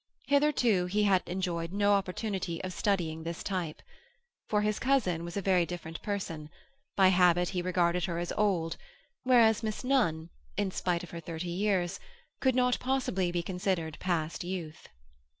Hitherto he had enjoyed no opportunity of studying this type. For his cousin was a very different person; by habit he regarded her as old, whereas Miss Nunn, in spite of her thirty years, could not possibly be considered past youth.